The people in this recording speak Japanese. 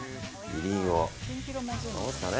みりんを。